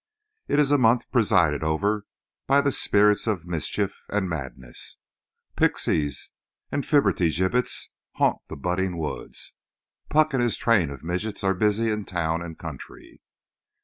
It is a month presided over by the spirits of mischief and madness. Pixies and flibbertigibbets haunt the budding woods: Puck and his train of midgets are busy in town and country.